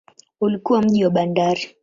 Ulikuwa mji wa bandari.